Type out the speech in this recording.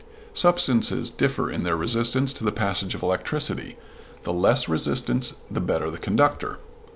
Substances differ in their resistance to the passage of electricity the less the resistance the better the conductor.